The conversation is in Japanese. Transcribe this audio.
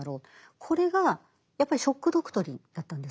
これがやっぱり「ショック・ドクトリン」だったんですね。